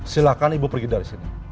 silahkan ibu pergi dari sini